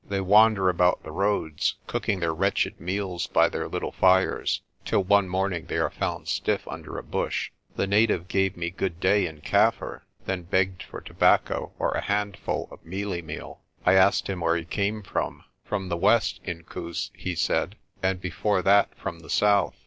They wander about the roads, cooking their wretched meals by their little fires, till one morning they are found stiff under a bush. The native gave me good day in Kaffir, then begged for tobacco or a handful of mealie meal. I asked him where he came from. "From the west, Inkoos," f he said, "and before that from the south.